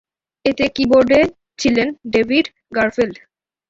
এতে কিবোর্ডে ছিলেন ডেভিড গারফিল্ড।